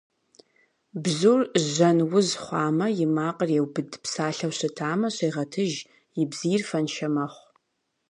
Бзур жьэн уз хъуамэ, и макъыр еубыд, псалъэу щытамэ, щегъэтыж, и бзийр фэншэ мэхъу.